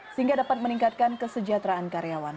sehingga dapat meningkatkan kesejahteraan karyawan